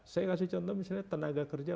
saya kasih contoh misalnya tenaga kerja